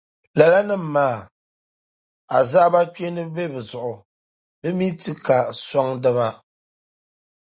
Lalanim’ maa, azaabakpeeni be bɛ zuɣu, bɛ mi ti ka sɔŋdiba.